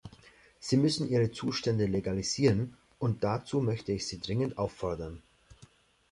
Sie müssen Ihre Zustände legalisieren, und dazu möchte ich Sie dringend auffordern!